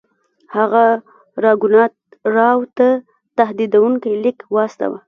هغه راګونات راو ته تهدیدونکی لیک واستاوه.